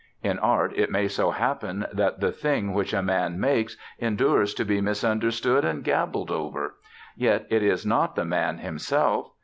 In art it may so happen that the thing which a man makes endures to be misunderstood and gabbled over: yet it is not the man himself.